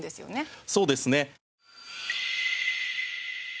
そうですね。